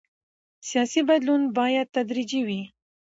سیاسي بدلون باید تدریجي وي